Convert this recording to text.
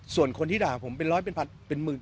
ส่วนคนที่ด่าผมเป็นร้อยเป็นพันเป็นหมื่น